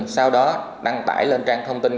sau đó đăng tải lên trang thông tin cá nhân